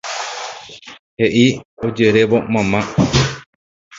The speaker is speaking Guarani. He'i ojerévo mamá.